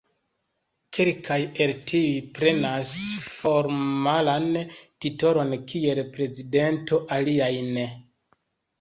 Kelkaj el tiuj prenas formalan titolon kiel "prezidento", aliaj ne.